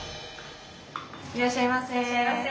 いらっしゃいませ。